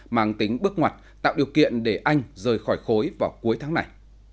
mang tính bước ngoặt tạo điều kiện để anh rời khỏi khối vào cuối tháng này